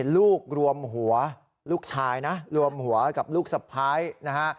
รวมหัวลูกชายนะรวมหัวกับลูกสะพ้ายนะฮะ